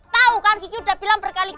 tahu kan kiki udah bilang berkali kali